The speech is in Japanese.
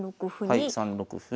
はい３六歩。